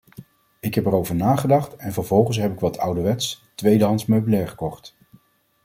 Ik heb erover nagedacht en vervolgens heb ik wat ouderwets, tweedehands meubilair gekocht.